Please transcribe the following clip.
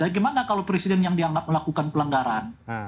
gimana kalau presiden yang dianggap melakukan pelanggaran